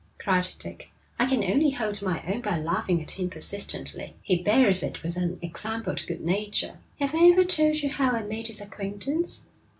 cried Dick. 'I can only hold my own by laughing at him persistently.' 'He bears it with unexampled good nature.' 'Have I ever told you how I made his acquaintance?